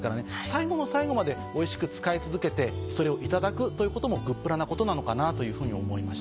最後の最後までおいしく使い続けてそれを頂くということもグップラなことなのかなというふうに思いましたね。